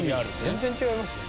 全然違いますよ